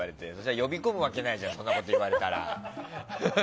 呼び込むわけないじゃんそんなこと言われたら。